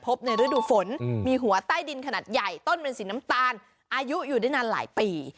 ในฤดูฝนมีหัวใต้ดินขนาดใหญ่ต้นเป็นสีน้ำตาลอายุอยู่ได้นานหลายปี